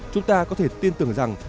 chúng ta có thể tin tưởng rằng